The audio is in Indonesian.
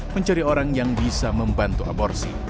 mencari orang yang bisa membantu aborsi